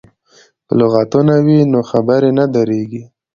که لغتونه وي نو خبرې نه دریږي.